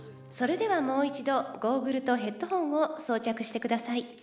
それではもう一度ゴーグルとヘッドホンを装着してください。